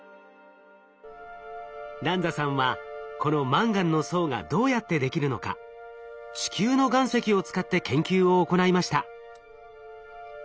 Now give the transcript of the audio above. ランザさんはこのマンガンの層がどうやってできるのか地球の岩石を使って研究を行いました。